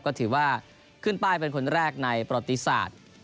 ก็ถือว่าขึ้นป้ายเป็นคนแรกในประวัติศาสตร์